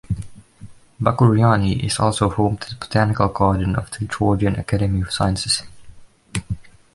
Bakuriani is also home to the Botanical Garden of the Georgian Academy of Sciences.